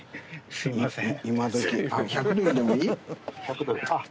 すいません。